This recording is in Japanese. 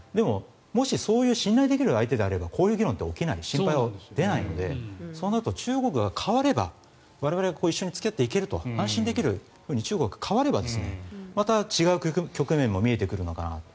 でも信頼できる相手であればこういう議論って起きない心配って出ないのでそうなると中国が変われば我々が付き合っていけると安心できると中国が変わればまた違う局面も見えてくるのかなと。